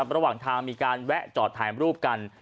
ระหว่างทางมีการแวะจอดถ่ายรูปกัน